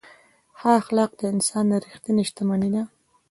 ښه اخلاق د انسان ریښتینې شتمني ده.